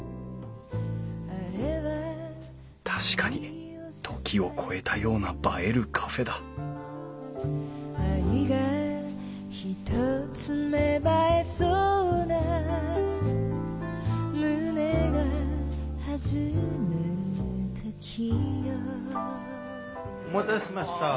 確かに「時を超えたような映えるカフェ」だお待たせしました。